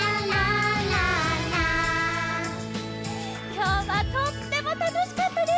きょうはとってもたのしかったです！